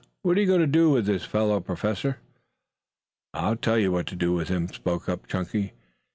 What are we going to do with this fellow, Professor?" "I'll tell you what to do with him," spoke up Chunky.